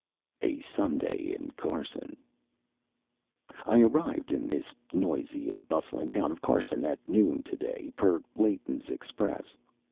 A SUNDAY IN CARSON I arrived in this noisy and bustling town of Carson at noon to day, per Layton's express.